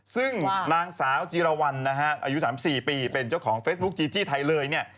ซึ่งนางสาวจีรวรรณนะฮะอายุ๓๔ปีเป็นเจ้าของเฟซบุ๊คจีจี้ไทยเลยเนี่ย